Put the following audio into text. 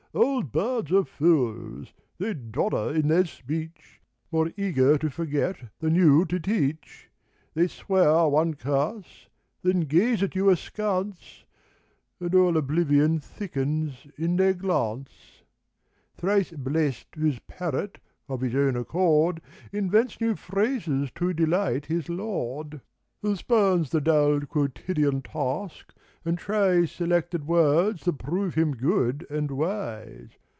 Old birds are fools : they dodder in their speech, More eager to forget than you to teach ; They swear one curse, then gaze at you askance. And aU oblivion thickens in their glance. Thrice blest whose parrot of his own accord Invents new phrases to deHght his Lord, 1 06 Who spurns the dull quotidian task and tries Selected words that prove him good and wise.